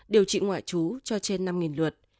điều trị ngoại chú cho trên năm lượt